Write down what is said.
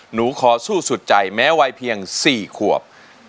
หนูขอสู้สุดใจแม้วัยเพียง๔ขวบ